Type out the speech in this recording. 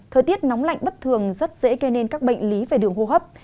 thời tiết nóng lạnh bất thường rất dễ gây nên các bệnh lý về đường hô hấp